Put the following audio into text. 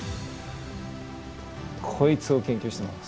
こいつを研究してます。